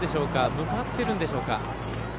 向かってるんでしょうか。